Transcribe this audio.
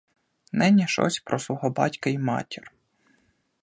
Нині щось про свого батька й матір.